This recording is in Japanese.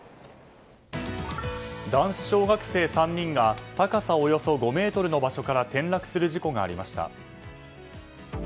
男子小学生３人が高さおよそ５ｍの場所から転落する事故がありました。